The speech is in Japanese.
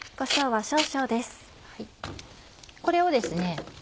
これをですね